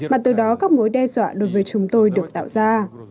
mà từ đó các mối đe dọa đối với chúng tôi được tạo ra